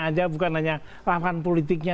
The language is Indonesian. aja bukan hanya lawan politiknya